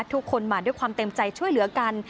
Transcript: ทุกคนมาด้วยความเต็มใจช่วยเหลือกัน